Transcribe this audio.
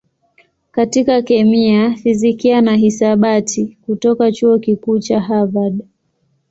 katika kemia, fizikia na hisabati kutoka Chuo Kikuu cha Harvard.